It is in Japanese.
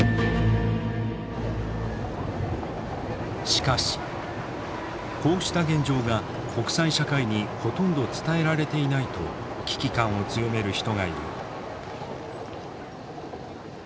しかしこうした現状が国際社会にほとんど伝えられていないと危機感を強める人がいる。